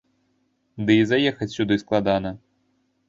Ды і заехаць сюды складана.